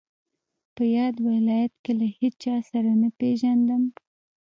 په یاد ولایت کې له هیچا سره نه پېژندم.